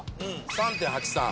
３．８３。